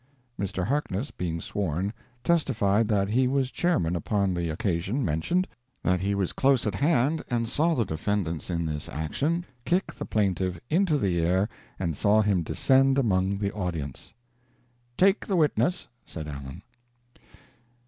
Mr. Harkness, being sworn, testified that he was chairman upon the occasion mentioned; that he was close at hand and saw the defendants in this action kick the plaintiff into the air and saw him descend among the audience. "Take the witness," said Allen.